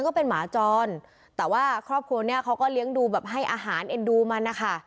ก็เป็นหมาจรแต่ว่าครอบครัวเนี้ยเขาก็เลี้ยงดูแบบให้อาหารเอ็นดูมันนะคะ